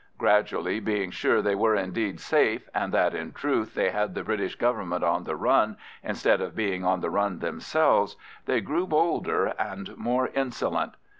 Gradually, being sure they were indeed safe, and that in truth they had the British Government on the run instead of being on the run themselves, they grew bolder and more insolent.